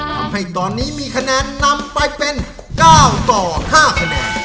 ทำให้ตอนนี้มีคะแนนนำไปเป็น๙ต่อ๕คะแนน